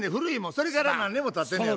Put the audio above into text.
それから何年もたってんのやろ？